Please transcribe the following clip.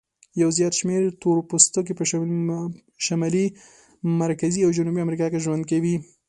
یو زیات شمیر تور پوستکي په شمالي، مرکزي او جنوبي امریکا کې ژوند کوي.